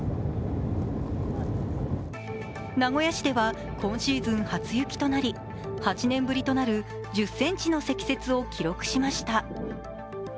名古屋市では今シーズン初雪となり、８年ぶりとなる１０ｃｍの積雪を記録しました。